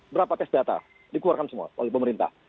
berapa case data dikeluarkan semua oleh pemerintah